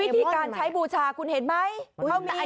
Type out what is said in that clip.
วิธีการใช้บูชาคุณเห็นไหม